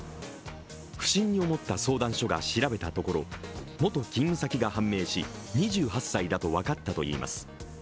不審に思った相談所が調べたところ元勤務先が判明し、２８歳だと分かったといいます。